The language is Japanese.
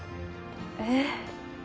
えっ。